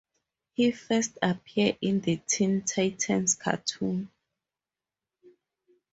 He first appeared in the "Teen Titans" cartoon.